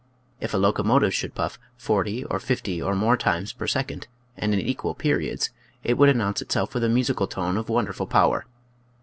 If a locomotive should puff forty or fifty or more times per second, and in equal periods, it would announce itself with a musical tone of wonderful power.